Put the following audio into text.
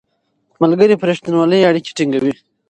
ملګري په رښتینولۍ اړیکې ټینګوي